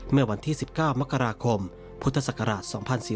เมื่อวันที่๑๙มกราคมพุทธศักราช๒๔๙